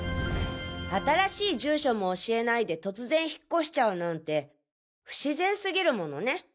新しい住所も教えないで突然引っ越しちゃうなんて不自然すぎるものね。